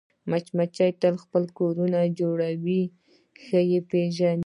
مچمچۍ د خپل کور جوړونه ښه پېژني